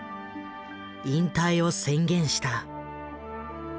引退を宣言した。